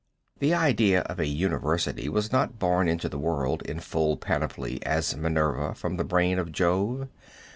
The idea of a university was not born into the world in full panoply as Minerva from the brain of Jove.